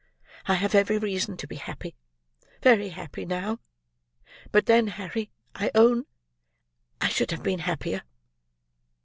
I have every reason to be happy, very happy, now; but then, Harry, I own I should have been happier."